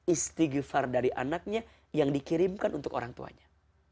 istighfar dari anaknya yang dikirimkan untuk orang tuanya